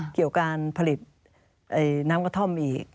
เกี่ยวการผลิตน้ำกระท่อมอีก